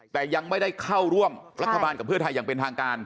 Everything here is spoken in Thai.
แต่ยังไม่ได้เข้าร่วมรัฐบาลกับเพื่อไทยอย่างเป็นทางการ